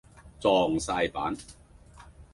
撞哂板